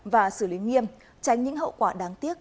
và xử lý nghiêm tránh những hậu quả đáng tiếc